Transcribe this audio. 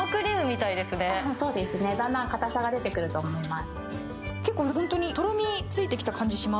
そうですね、だんだん硬さが出てくると思います。